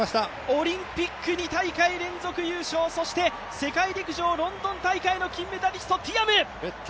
オリンピック２大会連続優勝そして世界陸上ロンドン大会の金メダリスト、ティアム。